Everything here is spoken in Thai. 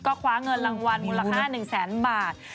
ก็คว้าเงินรางวัลมูลค่า๑แสนบาท